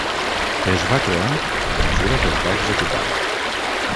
Es va creant a mesura que es va executant.